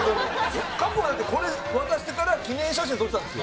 過去なんてこれ渡してから記念写真撮ってたんですよ。